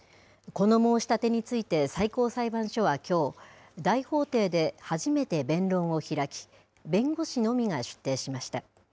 この申し立てについて、最高裁判所はきょう、大法廷で初めて弁論を開き、弁護士のみが出廷しました。